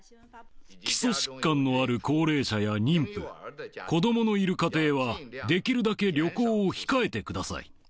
基礎疾患のある高齢者や妊婦、子どものいる家庭はできるだけ旅行を控えてください。